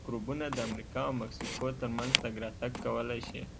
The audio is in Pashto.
میکروبونه د امریکا او مکسیکو ترمنځ تګ راتګ کولای شي.